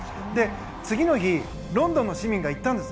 次の日、ロンドンの市民が言ったんです。